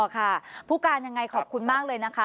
ค่ะผู้การยังไงขอบคุณมากเลยนะคะ